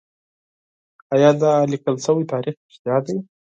ايا دا ليکل شوی تاريخ رښتيا دی؟